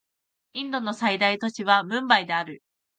インドの最大都市はムンバイである